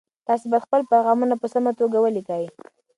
تاسي باید خپل پیغامونه په سمه توګه ولیکئ.